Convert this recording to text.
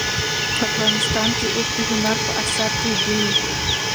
افغانستان کې اوښ د هنر په اثار کې دي.